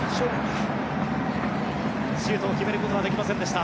シュートを決めることはできませんでした。